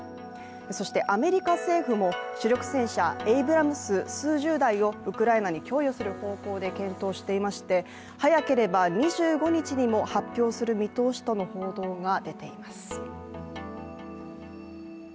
アメリカ政府も主力戦車エイブラムス数十台をウクライナに供与する方向で検討していまして早ければ２５日にも発表する見通しとの報道が出ています。